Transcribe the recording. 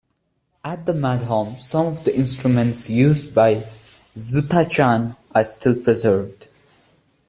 At the madhom, some of the instruments used by Ezhuthachan are still preserved.